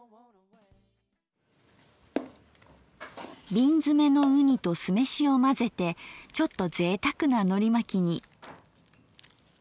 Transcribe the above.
瓶詰めのうにと酢飯を混ぜてちょっとぜいたくなのりまきに。